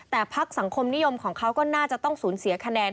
แต่พักสังคมนิยมของเขาก็น่าจะต้องสูญเสียคะแนน